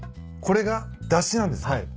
これがだしなんですね。